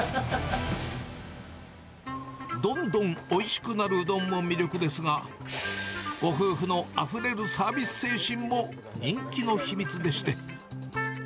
どんどんおいしくなるうどんも魅力ですが、ご夫婦のあふれるサービス精神も人気の秘密でして。